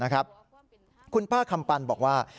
คุณป้าคำปันบอกว่า